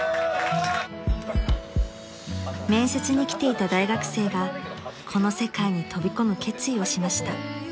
［面接に来ていた大学生がこの世界に飛び込む決意をしました］